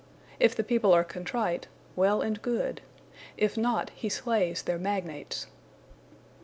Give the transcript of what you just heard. If the people are contrite, well and good; if not, he slays their magnates.